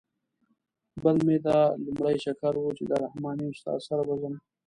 بل مې دا لومړی چکر و چې د رحماني استاد سره به ځم.